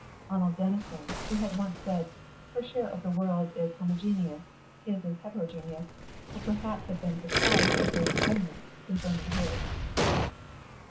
(Arnold Denison, who had once said, "Her share of the world is homogeneous; his is heterogeneous," would perhaps have been surprised at her discernment, confirming his.)